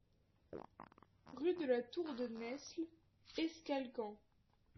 Rue de la Tour de Nesle, Escalquens